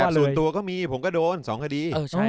แบบศูนย์ตัวก็มีผมก็โดน๒คดี